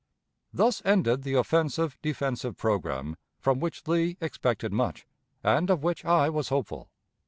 Thus ended the offensive defensive programme from which Lee expected much, and of which I was hopeful.